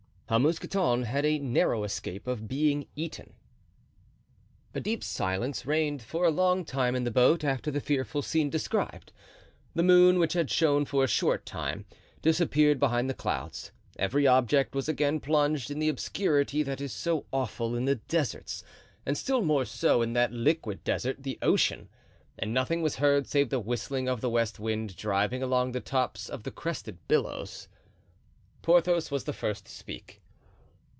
How Mousqueton had a Narrow Escape of being eaten. A deep silence reigned for a long time in the boat after the fearful scene described. The moon, which had shone for a short time, disappeared behind the clouds; every object was again plunged in the obscurity that is so awful in the deserts and still more so in that liquid desert, the ocean, and nothing was heard save the whistling of the west wind driving along the tops of the crested billows. Porthos was the first to speak.